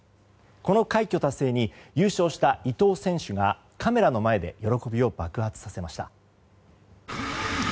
この快挙達成に優勝した伊藤選手がカメラの前で喜びを爆発させました。